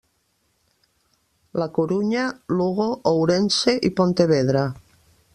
La Corunya, Lugo, Ourense i Pontevedra.